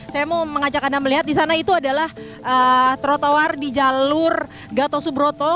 saya mau mengajak anda melihat di sana itu adalah trotoar di jalur gatot subroto